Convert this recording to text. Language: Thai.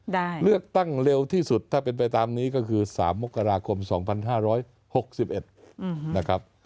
เลือกตั้งเร็วที่สุดถ้าเป็นไปตามนี้ก็คือ๓มกราคม๒๕๖๑นะครับ